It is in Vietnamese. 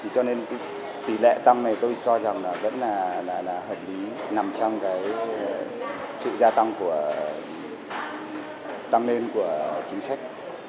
cho nên tỷ lệ tăng này tôi cho rằng là vẫn là hợp lý nằm trong cái sự gia tăng của tăng lên của chính sách